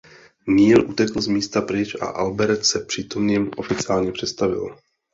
Neil utekl z místa pryč a Albert se přítomným oficiálně představil.